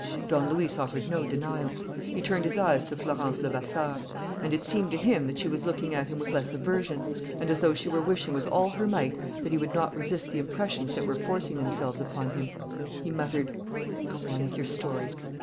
Don Luis offered no denial. He turned his eyes to Florence Levasseur; and it seemed to him that she was looking at him with less aversion, and as though she were wishing with all her might that he would not resist the impressions that were forcing themselves upon him. He muttered: "Go on with your story."